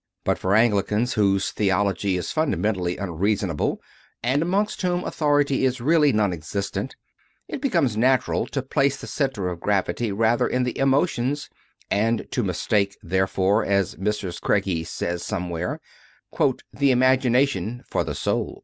But for Anglicans, whose theology is fundamentally unreasonable, and amongst whom Authority is, really, non existent, it becomes natural to place the centre of gravity rather in the Emotions, and to "mistake/ 7 therefore, as Mrs. Craigie says somewhere, "the imagination for the soul."